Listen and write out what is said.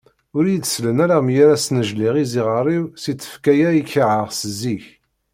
Ur iyi-d-sellen ara mi ara snejliɣ iziɣer-iw si tfekka-ya i kerheɣ seg zik.